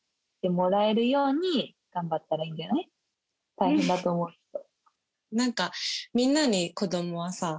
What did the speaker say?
大変だと思うけど。